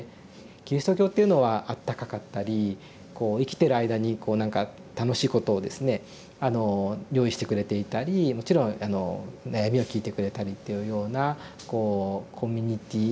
キリスト教っていうのはあったかかったりこう生きてる間にこう何か楽しいことをですね用意してくれていたりもちろん悩みを聞いてくれたりというようなこうコミュニティー